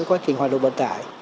quá trình hoạt động vận tải